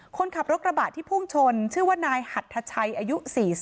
คนขับรถกระบะที่พุ่งชนชื่อว่านายหัดทชัยอายุ๔๐